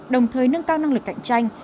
đồng thời nâng cao năng lực cạnh tranh